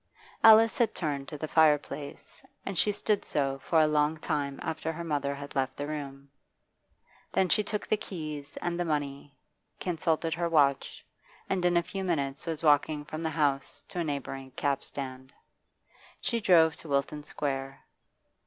Alice had turned to the fireplace, and she stood so for a long time after her mother had left the room. Then she took the keys and the money, consulted her watch, and in a few minutes was walking from the house to a neighbouring cab stand. She drove to Wilton Square.